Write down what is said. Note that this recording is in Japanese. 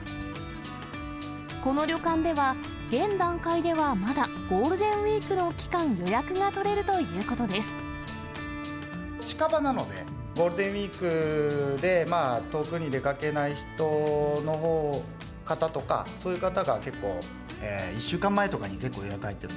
この旅館では、現段階ではまだゴールデンウィークの期間、予約が取れるというこ近場なので、ゴールデンウィークで、まあ、遠くに出かけない人の方とか、そういう方が結構１週間前とかに結構予約入ってる。